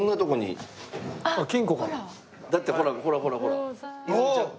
だってほらほらほらほら泉ちゃん